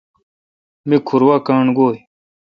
می کھور وا کاݨ گوی۔